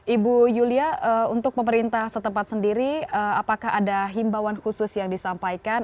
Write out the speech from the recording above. ibu yulia untuk pemerintah setempat sendiri apakah ada himbawan khusus yang disampaikan